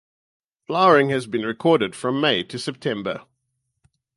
Flowering has been recorded from May to September.